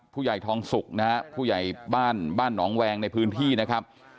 ผู้ใหญ่ทองสุกนะฮะผู้ใหญ่บ้านบ้านหนองแวงในพื้นที่นะครับ